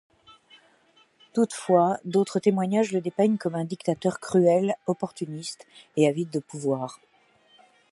Toutefois, d'autres témoignages le dépeignent comme un dictateur cruel, opportuniste et avide de pouvoir.